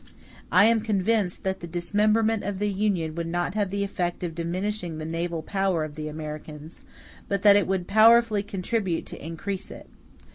I am convinced that the dismemberment of the Union would not have the effect of diminishing the naval power of the Americans, but that it would powerfully contribute to increase it.